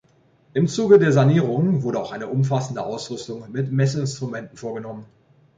Im Zuge der Sanierungen wurde auch eine umfassende Ausrüstung mit Messinstrumenten vorgenommen.